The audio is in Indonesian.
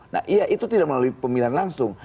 nah iya itu tidak melalui pemilihan langsung